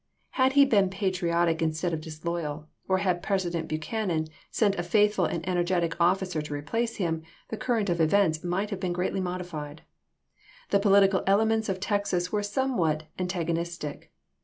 Had he Twiggs to been patriotic instead of disloyal, or had President •\^° ^^'\?J;] Buchanan sent a faithful and energetic officer to i. p esi. replace him, the current of events might have been greatly modified. The political elements of Texas were somewhat antagonistic.